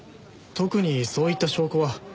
特にそういった証拠は。